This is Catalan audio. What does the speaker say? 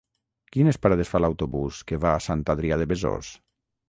Quines parades fa l'autobús que va a Sant Adrià de Besòs?